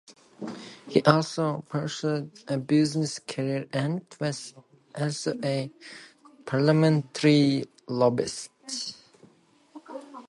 He also pursued a business career and was also a parliamentary lobbyist.